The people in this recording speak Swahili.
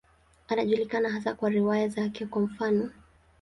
Anajulikana hasa kwa riwaya zake, kwa mfano.